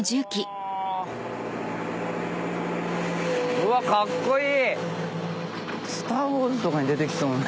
うわっかっこいい！